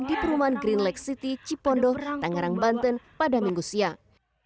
di perumahan green lake city cipondo tangerang banten pada minggu siang